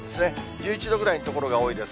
１１度ぐらいの所が多いです。